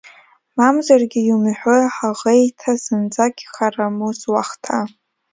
Мамзаргьы, иумҳәои ҳаӷеиҭа, зынӡак ихараму суахҭа?!